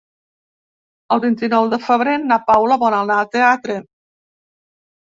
El vint-i-nou de febrer na Paula vol anar al teatre.